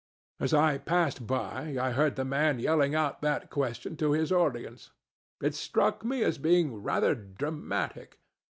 As I passed by, I heard the man yelling out that question to his audience. It struck me as being rather dramatic.